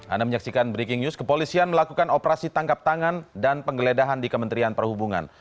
anda menyaksikan breaking news kepolisian melakukan operasi tangkap tangan dan penggeledahan di kementerian perhubungan